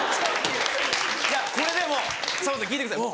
いやこれでもさんまさん聞いてください。